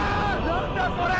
何だこれ！